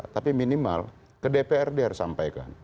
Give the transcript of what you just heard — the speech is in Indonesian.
tapi minimal ke dpr dia harus sampaikan